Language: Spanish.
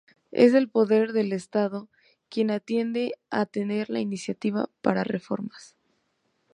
Es el poder del Estado quien tiende a tener la iniciativa para reformas.